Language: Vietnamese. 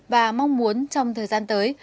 và mong muốn trong thời gian tới